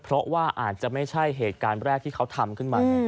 เพราะว่าอาจจะไม่ใช่เหตุการณ์แรกที่เขาทำขึ้นมา